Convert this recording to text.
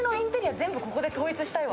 全部ここで統一したいわ。